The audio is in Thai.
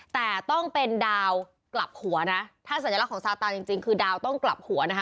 แต่ต้องเป็นดาวกลับหัวนะถ้าสัญลักษณ์ซาตาจริงคือดาวต้องกลับหัวนะคะ